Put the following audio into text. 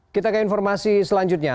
kita ke informasi selanjutnya